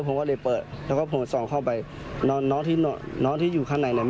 ใช่คือพี่คุณเห็นว่าคือแกนแล้ว